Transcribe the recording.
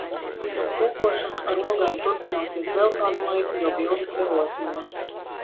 Kūkošana ar ogām turpināsies vēl kādu laiku, jo bildes ir rosinošas.